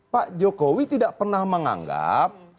pak jokowi tidak pernah menganggap